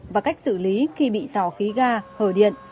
và cách xử lý khi bị xào khí ga hở điện